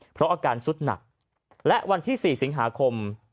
เพราะอาการสุดหนักและวันที่๔สิงหาคม